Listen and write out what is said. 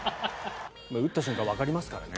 打った瞬間わかりますからね。